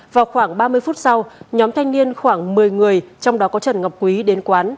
vào khoảng ba mươi phút sau nhóm thanh niên khoảng một mươi người trong đó có trần ngọc quý đến quán